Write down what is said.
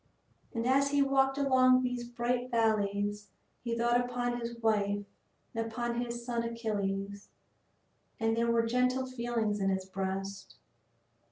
And as he walked along these bright valleys he thought upon his wife and upon his son Achilles, and there were gentle feelings in his breast.